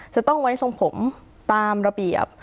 จะต้องไว้ทรงผมตามระเบียบ